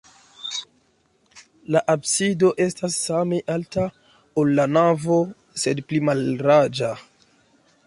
La absido estas same alta, ol la navo, sed pli mallarĝa.